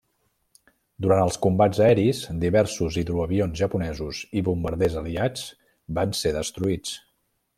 Durant els combats aeris diversos hidroavions japonesos i bombarders aliats van ser destruïts.